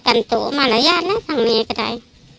กินโทษส่องแล้วอย่างนี้ก็ได้